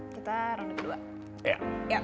kita redup dua